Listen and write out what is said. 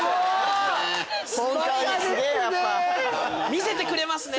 見せてくれますね！